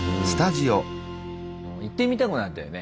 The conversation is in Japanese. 行ってみたくなったよね。